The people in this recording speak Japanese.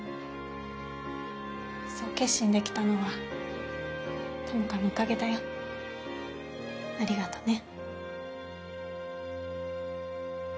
そう決心できたのは朋香のおかげだよ。ありがとね。